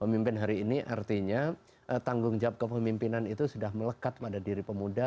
pemimpin hari ini artinya tanggung jawab kepemimpinan itu sudah melekat pada diri pemuda